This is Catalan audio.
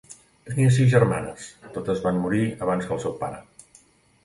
Tenia sis germanes, totes van morir abans que el seu pare.